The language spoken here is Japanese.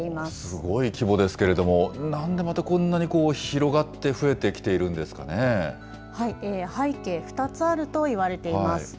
すごい規模ですけれども、なんでまたこんなに広がって増えて背景、２つあると言われています。